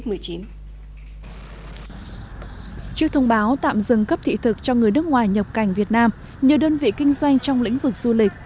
trước thông báo tạm dừng cấp thị thực cho người nước ngoài nhập cảnh việt nam nhiều đơn vị kinh doanh trong lĩnh vực du lịch